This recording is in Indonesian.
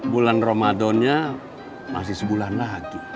bulan ramadannya masih sebulan lagi